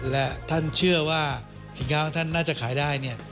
และท่านเชื่อว่าสินค้าของท่านน่าจะขายได้เนี่ย